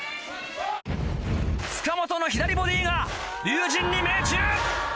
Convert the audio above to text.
塚本の左ボディーが龍心に命中！